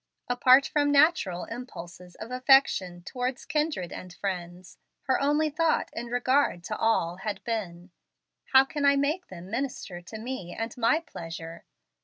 Apart from natural impulses of affection towards kindred and friends, her only thought in regard to all had been, How can I make them minister to me and my pleasure?